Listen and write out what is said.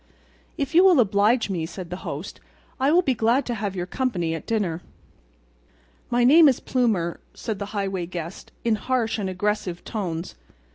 "If you will oblige me," said the host, "I will be glad to have your company at dinner." "My name is Plumer," said the highway guest, in harsh and aggressive tones.